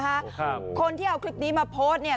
ครับคนที่เอาคลิปนี้มาโพสต์เนี่ย